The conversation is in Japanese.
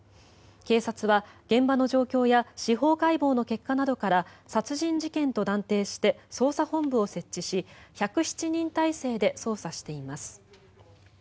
警察は現場の状況や司法解剖の結果などから殺人事件と断定して捜査本部を設置し１０７人態勢で捜査しています。